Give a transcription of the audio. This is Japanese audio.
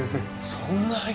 そんな。